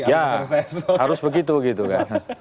ya harus begitu gitu kan